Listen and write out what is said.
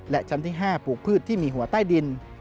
และชั้นที่๕ปลูกพืชที่มีหัวใต้ดิน